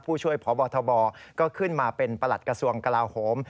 ผู้ช่วยพบทบก็ขึ้นมาเป็นประหลัดกระทรวงกลาโหม